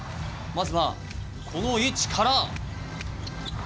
まず、この位置から。